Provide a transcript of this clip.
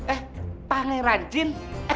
eh panggilan jin